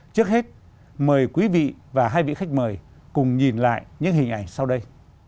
trước hết mời quý vị và hai vị khách mời cùng nhìn lại những hình ảnh sau đây